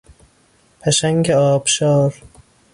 پشنگ آبشار